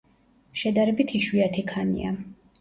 შედარებით იშვიათი ქანია.